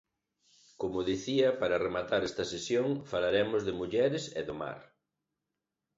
Como dicía, para rematar esta sesión, falaremos de mulleres e do mar.